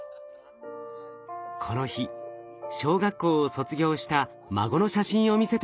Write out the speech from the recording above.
この日小学校を卒業した孫の写真を見せてもらいました。